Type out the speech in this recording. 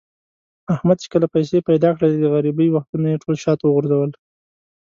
احمد چې کله پیسې پیدا کړلې، د غریبۍ وختونه یې ټول شاته و غورځول.